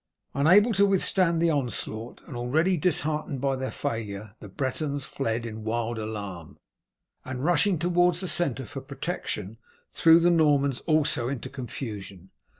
Unable to withstand the onslaught, and already disheartened by their failure, the Bretons fled in wild alarm, and rushing towards the centre for protection threw the Normans also into confusion.